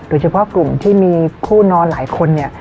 โดยเฉพาะกลุ่มที่มีผู้นอนหลายคนเนี่ย